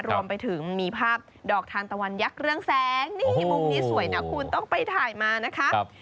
รวมไปถึงมีภาพดอกทานตะวันยักษ์เรื่องแสงนี่มุมนี้สวยนะคุณต้องไปถ่ายมานะคะ